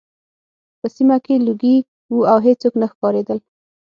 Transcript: په سیمه کې لوګي وو او هېڅوک نه ښکارېدل